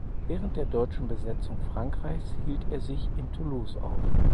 Während der deutschen Besetzung Frankreichs hielt er sich in Toulouse auf.